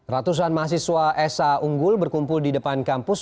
ratusan mahasiswa sh unggul berkumpul di depan kampus